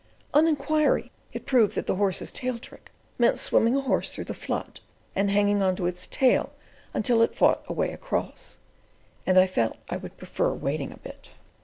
On inquiry, it proved that the "horse's tail trick" meant swimming a horse through the flood, and hanging on to its tail until it fought a way across; and I felt I would prefer "waiting a bit."